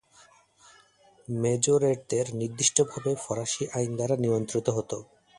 মেজরেটদের নির্দিষ্টভাবে ফরাসি আইন দ্বারা নিয়ন্ত্রিত হতো।